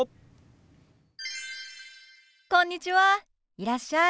いらっしゃい。